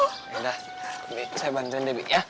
udah saya bantuin deh bi ya